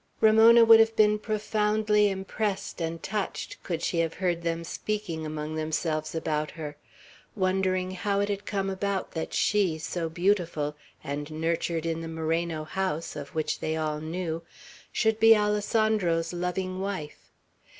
Ramona would have been profoundly impressed and touched, could she have heard them speaking among themselves about her; wondering how it had come about that she, so beautiful, and nurtured in the Moreno house, of which they all knew, should be Alessandro's loving wife.